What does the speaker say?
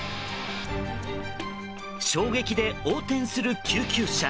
衝撃で横転する救急車。